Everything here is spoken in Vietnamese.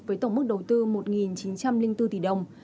với tổng mức đầu tư một chín trăm linh bốn tỷ đồng